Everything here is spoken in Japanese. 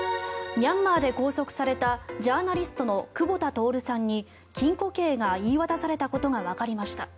ミャンマーで拘束されたジャーナリストの久保田徹さんに禁錮刑が言い渡されたことがわかりました。